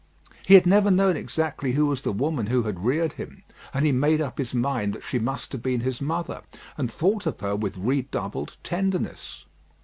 He had never known exactly who was the woman who had reared him, and he made up his mind that she must have been his mother, and thought of her with redoubled tenderness.